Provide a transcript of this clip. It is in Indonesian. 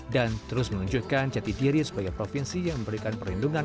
dan terus menunjukkan jati diri sebagai provinsi yang memberikan perlindungan